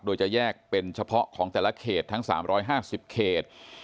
โดยจะแยกเป็นเฉพาะของแต่ละเขตทั้ง๓๕๐เขต